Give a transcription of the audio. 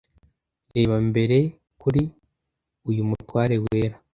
reba mbere kuri uyu mutware wera